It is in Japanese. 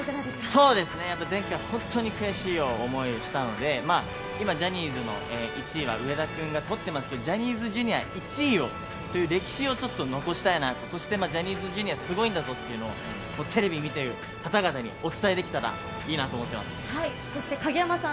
そうですね、前回本当に悔しい思いをしたので今ジャニーズの１位は上田君がとってますけどジャニーズＪｒ．１位という歴史を残したいな、そしてジャニーズＪｒ．はすごいんだぞとテレビを見ている方々にお伝えできたらいいなと思っています。